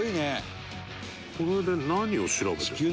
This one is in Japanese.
「これで何を調べてる？」